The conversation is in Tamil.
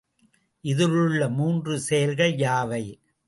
இதிலுள்ள மூன்று செயல்கள் யாவை?